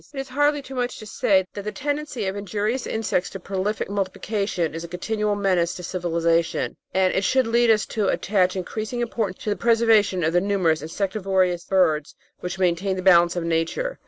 It is hardly too much to say that the tendency of injurious insects to prolific multiplication is a continual menace to civilisation, and this should lead us to attach increasing importance to the preservation of the numerous in sectivorous birds which maintain the balance of Nature.